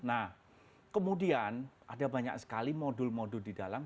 nah kemudian ada banyak sekali modul modul di dalam